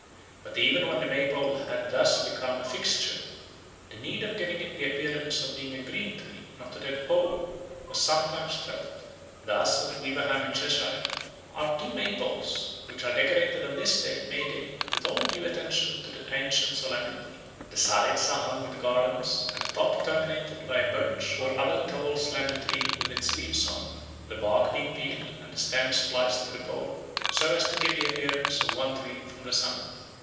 But even when the May pole had thus become a fixture, the need of giving it the appearance of being a green tree, not a dead pole, was sometimes felt. Thus at Weverham in Cheshire "are two May poles, which are decorated on this day (May Day) with all due attention to the ancient solemnity; the sides are hung with garlands, and the top terminated by a birch or other tall slender tree with its leaves on; the bark being peeled, and the stem spliced to the pole, so as to give the appearance of one tree from the summit."